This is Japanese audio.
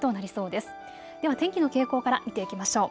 では天気の傾向から見ていきましょう。